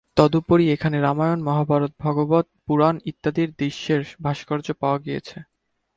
তদুপরি এখানে রামায়ণ, মহাভারত, ভাগবত পুরাণ ইত্যাদির দৃশ্যের ভাস্কর্য পাওয়া গিয়েছে।